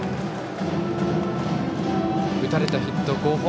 打たれたヒット５本。